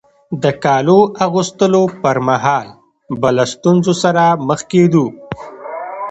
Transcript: د کالو اغوستلو پر مهال به له ستونزو سره مخ کېدو.